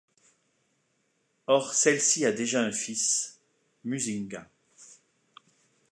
Or celle-ci a déjà un fils, Musinga.